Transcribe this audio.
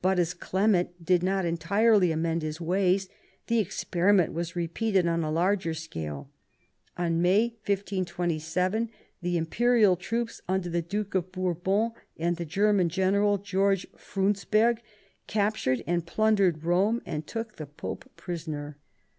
But as Clement did not entirely amend his ways, the experiment was repeated on a larger scale. In May 1527 the imperial troops under the Duke of Bourbon and the German general George Frundsberg captured and plundered Eome, and took the Pope prisoner.